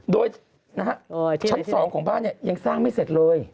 โดยชั้น๒ของบ้านเนี่ยยังสร้างไม่เสร็จเลย